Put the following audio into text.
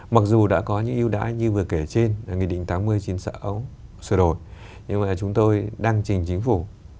mặc dù đã có những ưu đãi như vừa kể trên là nghị định tám mươi chín mươi sáu sửa đổi nhưng mà chúng tôi đăng trình chính phủ